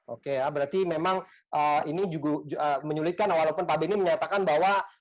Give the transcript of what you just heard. oke ya berarti memang ini juga menyulitkan walaupun pak benny menyatakan bahwa